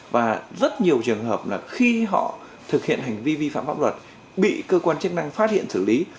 và rất nhiều trường hợp là khi họ thực hiện hành vi vi phạm pháp luật bị cơ quan chức năng phát hiện xử lý